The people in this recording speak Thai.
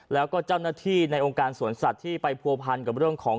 แล้วก็เจ้าหน้าที่ในองค์การสวนสัตว์ที่ไปผัวพันกับเรื่องของ